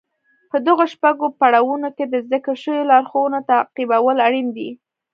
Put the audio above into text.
په دغو شپږو پړاوونو کې د ذکر شويو لارښوونو تعقيبول اړين دي.